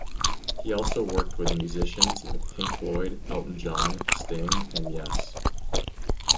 He also worked with musicians like Pink Floyd, Elton John, Sting, and Yes.